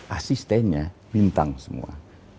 asistennya bintang semua